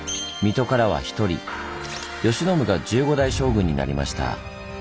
水戸からは１人慶喜が１５代将軍になりました。